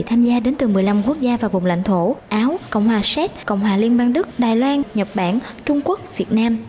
tham gia đến từ một mươi năm quốc gia và vùng lãnh thổ áo cộng hòa séc cộng hòa liên bang đức đài loan nhật bản trung quốc việt nam